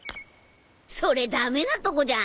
それ駄目なとこじゃん。